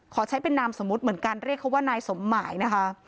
ขอใช้เป็นนามสมมุติเหมือนกันเรียกเขาว่านายสมหมายนะคะ